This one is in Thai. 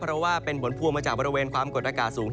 เพราะว่าเป็นผลพวงมาจากบริเวณความกดอากาศสูง